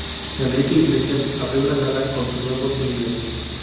Enrique Iglesias abrió la gala con su nuevo single.